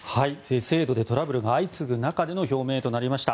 制度でトラブルが相次ぐ中での表明となりました。